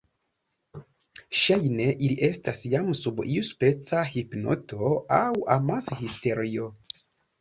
Ŝajne ili estas jam sub iuspeca hipnoto aŭ amashisterio.